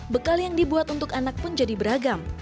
bekal yang dibuat untuk anak pun jadi beragam